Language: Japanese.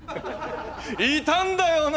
いたんだよな？